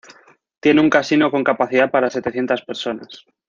Tiene un casino con capacidad para setecientas personas.